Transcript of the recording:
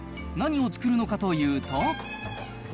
何を作るのかというと。